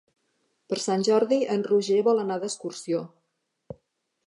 Per Sant Jordi en Roger vol anar d'excursió.